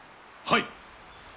はい！